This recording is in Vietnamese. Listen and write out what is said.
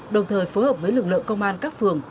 đồng thời phối hợp với lực lượng công an các phường